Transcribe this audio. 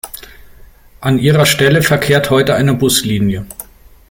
An ihrer Stelle verkehrt heute eine Buslinie.